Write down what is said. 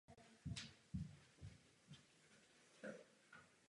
Je prokázáno, že chudoba více postihuje ženy.